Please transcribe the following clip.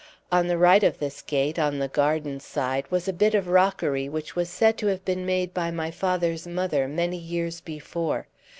On the right of this gate, on the garden side, was a bit of a rockery which was said to have been made by my father's mother many years before.